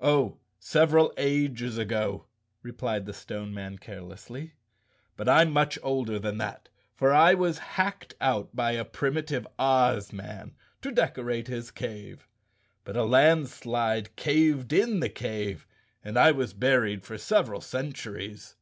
"Oh, several ages ago," replied the Stone Man care¬ lessly. "But I'm much older than that, for I was hacked out by a primitive Oz man to decorate his cave. But a landslide caved in the cave and I was buried for several centuries."